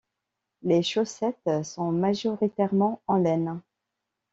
Les chaussettes sont majoritairement en laine.